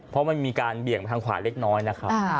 เพราะมันมีการเบี่ยงไปทางขวาเล็กน้อยนะครับ